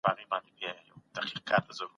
هغه د وژنو او چور په اړه بحث کړی دی.